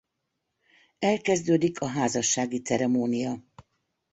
Elkezdődik a házassági ceremónia.